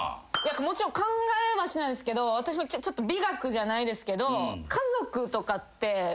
もちろん考えはしないですけど私はちょっと美学じゃないですけど。